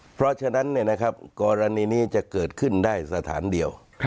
เพราะฉะนั้นกรณีนี้จะเกิดขึ้นได้สถานเดียว